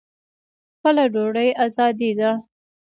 خپله ډوډۍ ازادي ده.